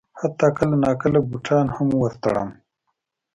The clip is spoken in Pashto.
حتی کله ناکله بوټان هم ور تړم.